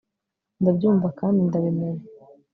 ndabyumva kandi ndabimenye